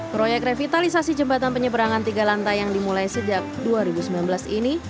proyek revitalisasi jembatan penyeberangan tiga lantai yang dimulai sejak dua ribu sembilan belas ini